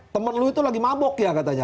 temen lu itu lagi mabuk ya katanya